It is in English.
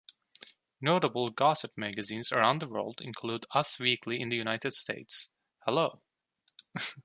Notable gossip magazines around the world include "Us Weekly" in the United States, "Hello!